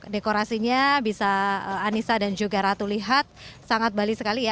dekorasinya bisa anissa dan juga ratu lihat sangat bali sekali ya